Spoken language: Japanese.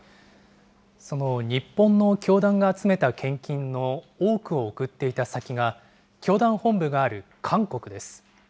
その日本の教団が集めた献金の多くを送っていた先が、教団本部がある韓国です。